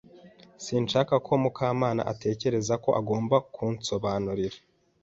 Sinshaka ko Mukamana atekereza ko agomba kunsobanurira.